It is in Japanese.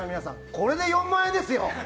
これで４万円ですよ！